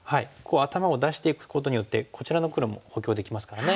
頭を出していくことによってこちらの黒も補強できますからね。